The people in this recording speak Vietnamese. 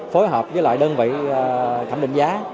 phối hợp với lại đơn vị khẳng định giá